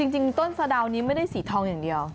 จริงต้นสะดาวนี้ไม่ได้สีทองอย่างเดียว